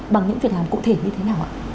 bằng những việc làm cụ thể như thế nào ạ